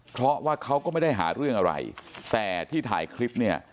เพราะว่าเขาก็ไม่ได้หาเรื่องอะไรแต่ที่ถ่ายคลิปเนี่ย